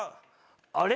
あれ？